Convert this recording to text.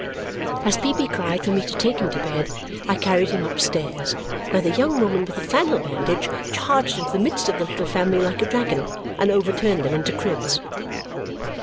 As Peepy cried for me to take him to bed, I carried him upstairs, where the young woman with the flannel bandage charged into the midst of the little family like a dragon and overturned them into cribs.